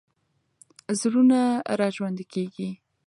زړونه راژوندي کېږي.